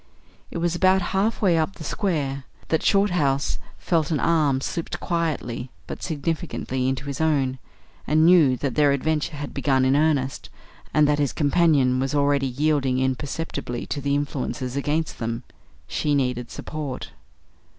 It was about half way up the square that Shorthouse felt an arm slipped quietly but significantly into his own, and knew then that their adventure had begun in earnest, and that his companion was already yielding imperceptibly to the influences against them. She needed support.